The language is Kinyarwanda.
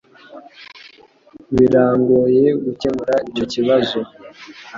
Birangoye gukemura icyo kibazo